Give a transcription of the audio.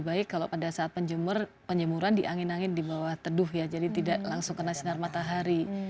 jadi lebih baik kalau pada saat penjemuran di angin angin di bawah teduh ya jadi tidak langsung kena sinar matahari